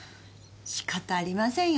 仕方ありませんよ。